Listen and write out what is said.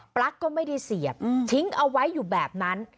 ปลั๊กก็ไม่ได้เสียบทิ้งเอาไว้อยู่แบบนั้น